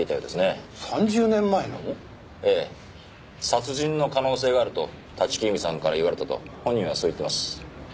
殺人の可能性があると立木由美さんから言われたと本人はそう言ってます。